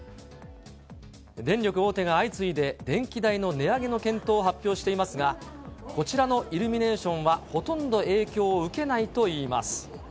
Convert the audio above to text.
電力大手が相次いで電気代の値上げの検討を発表していますが、こちらのイルミネーションは、ほとんど影響を受けないといいます。